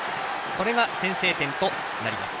これが先制点となります。